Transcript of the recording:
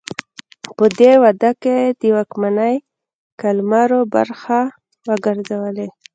په دې واده کې د واکمنۍ قلمرو برخه وګرځولې.